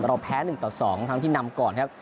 เราแพ้๑ต่อ๒ทั้งที่นำก่อนครับ